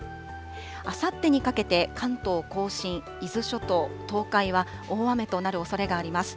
あさってにかけて関東甲信、伊豆諸島、東海は大雨となるおそれがあります。